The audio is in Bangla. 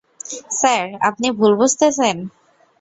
স্যার, আপনি ভুল বুঝতেছেন।